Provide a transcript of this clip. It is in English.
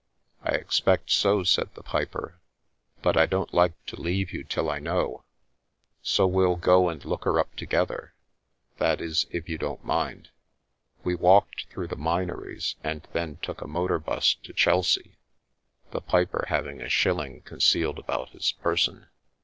I expect so," said the piper, "but I don't like to leave you till I know, so we'll go and look her up to gether — that is, if you don't mind." We walked through the Minories and then took a motor bus to Chelsea, the piper having a shilling con cealed about his person.